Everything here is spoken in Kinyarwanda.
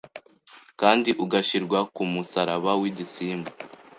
Kandi ugashyirwa kumusaraba wigisimba